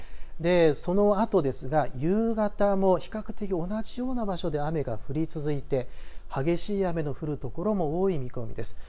そのあとですが夕方も比較的、同じような場所で雨が降り続いて激しい雨の降る所も多い見込みです。